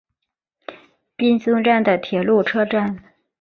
滨松站的铁路车站。